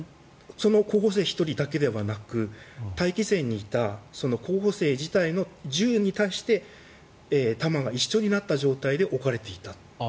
その候補生１人だけではなく待機位置にいた候補生自体の銃に対して弾が一緒になった状態で置かれていた。